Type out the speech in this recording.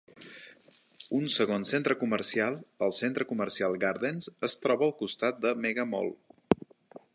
Un segon centre comercial, el centre comercial Gardens, es troba al costat del Megamall.